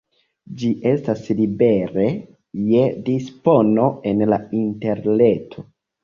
Ĝi estas libere je dispono en la interreto.